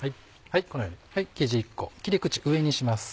このように生地１個切り口上にします。